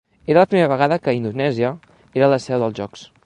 Era la primera vegada que Indonèsia era la seu dels jocs.